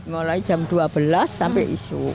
mulai jam dua belas sampai isu